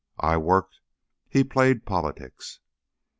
I worked; he played politics.